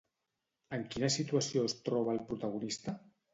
En quina situació es troba el protagonista?